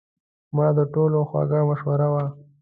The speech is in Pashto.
مړه د ټولو خوږه مشوره وه